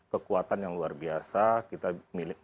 kekuatan yang luar biasa kita milik